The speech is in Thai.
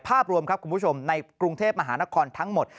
ภาพรวมครับคุณผู้ชมในกรุงเทพมหานครทั้งหมด